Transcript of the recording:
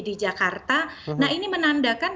di jakarta nah ini menandakan